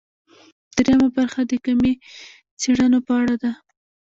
درېیمه برخه د کمي څېړنو په اړه ده.